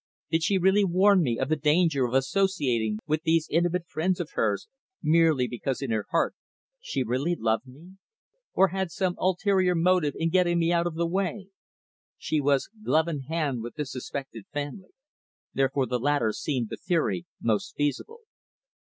Did she really warn me of the danger of associating with these intimate friends of hers merely because in her heart she really loved me? or had she some ulterior motive in getting me out of the way? She was hand in glove with this suspected family, therefore the latter seemed the theory most feasible.